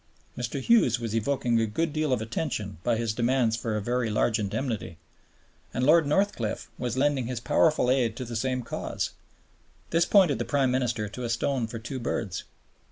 Mr. Hughes was evoking a good deal of attention by his demands for a very large indemnity, and Lord Northcliffe was lending his powerful aid to the same cause. This pointed the Prime Minister to a stone for two birds.